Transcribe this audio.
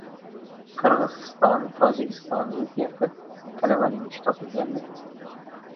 Qirg‘iziston–Tojikiston ziddiyati: kalavaning uchi topilgandek...